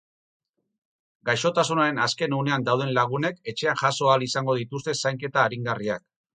Gaixotasunaren azken unean dauden lagunek etxean jaso ahal izango dituzte zainketa aringarriak.